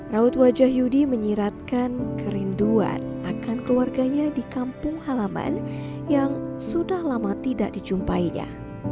raut wajah yudi menyiratkan kerinduan akan keluarganya di kampung halaman yang sudah lama tidak dijumpainya